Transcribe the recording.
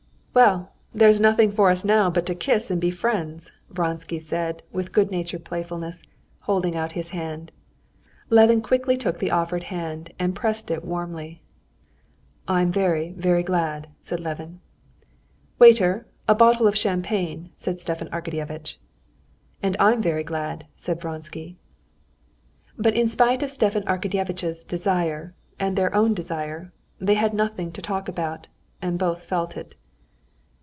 "Well, there's nothing for us now but to kiss and be friends," Vronsky said, with good natured playfulness, holding out his hand. Levin quickly took the offered hand, and pressed it warmly. "I'm very, very glad," said Levin. "Waiter, a bottle of champagne," said Stepan Arkadyevitch. "And I'm very glad," said Vronsky. But in spite of Stepan Arkadyevitch's desire, and their own desire, they had nothing to talk about, and both felt it.